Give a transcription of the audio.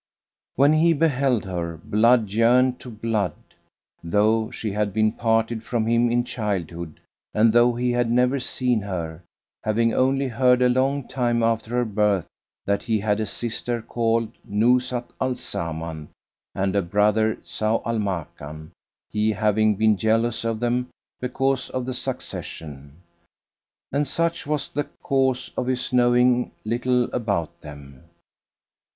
When he beheld her, blood yearned to blood, though she had been parted from him in childhood and though he had never seen her, having only heard a long time after her birth that he had a sister called Nuzhat al Zaman and a brother Zau al Makan, he having been jealous of them, because of the succession. And such was the cause of his knowing little about them.